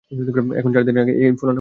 এখন, চার দিনের আগে এই ফোলা কমবে না।